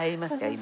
今。